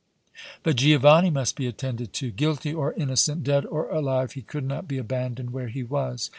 But Giovanni must be attended to. Guilty or innocent, dead or alive, he could not be abandoned where he was.